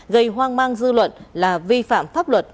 gây hoang mang dư luận là vi phạm pháp luật